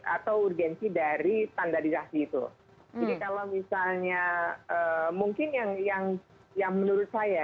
atau urgensi dari tanda dirahmi itu kalau misalnya mungkin yang yang yang menurut saya